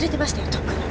とっくに。